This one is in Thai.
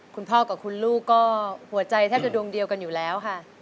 คุณพ่อกับคุณลูกก็หัวใจแทบจะดวงเดียวกันอยู่แล้วค่ะ